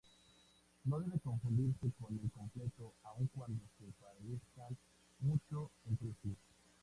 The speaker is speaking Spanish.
No debe confundirse con el completo aun cuando se parezcan mucho entre sí.